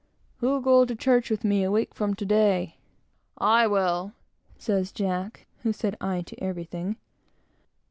"Who'll go to church with me a week from to day?" "I will," says Jack; who said aye to everything.